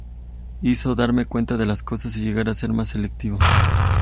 Hizo darme cuenta de las cosas y llegar a ser más selectivo.